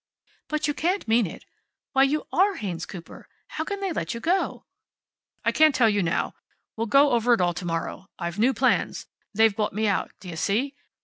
"But you can't mean it. Why, you ARE Haynes Cooper. How can they let you go?" "I can't tell you now. We'll go over it all to morrow. I've new plans. They've bought me out. D'you see?